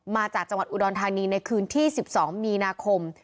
มาจากจังหวัดอุดรธานีในคืนที่๑๒มีนาคม